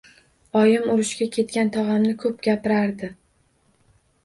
Oyim urushga ketgan tog‘amni ko‘p gapirardi.